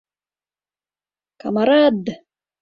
Камарад!